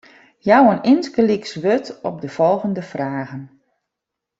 Jou yn it Ingelsk antwurd op de folgjende fragen.